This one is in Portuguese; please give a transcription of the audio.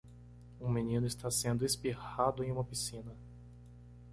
Um menino está sendo espirrado em uma piscina